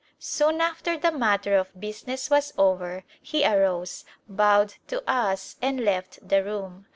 Soon after the matter of business was over he arose, bowed to us, and left the room.